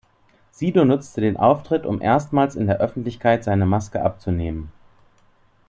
Sido nutzte den Auftritt um erstmals in der Öffentlichkeit seine Maske abzunehmen.